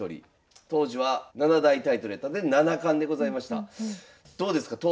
当時は７大タイトルやったんで七冠でございました。